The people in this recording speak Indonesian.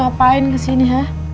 lu ngapain kesini hah